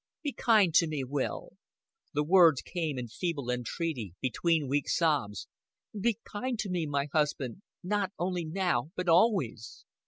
"Be kind to me, Will." The words came in feeble entreaty, between weak sobs. "Be kind to me my husband not only now but always."